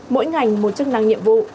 mỗi ngành một chức năng nhiệm vụ